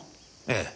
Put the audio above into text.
ええ。